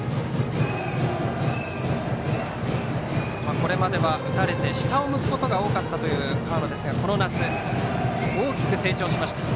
これまでは打たれて下を向くことが多かったという河野ですが、この夏大きく成長しました。